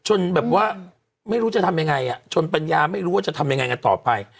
แบบว่าไม่รู้จะทำยังไงอ่ะชนปัญญาไม่รู้ว่าจะทำยังไงกันต่อไป